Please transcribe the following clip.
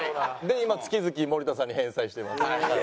今月々森田さんに返済しています。